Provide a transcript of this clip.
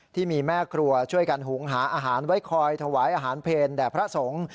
ที่มีแม่ครัวช่วยกันหุงหาอาหารไว้คอยถวายอาหารเพลแด่พระสงฆ์